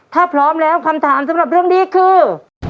ถ้าพร้อมแล้วคำถามสำหรับเรื่องนี้คือ